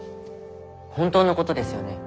本当のことですよね？